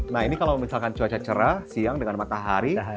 nah ini kalau misalkan cuaca cerah siang dengan matahari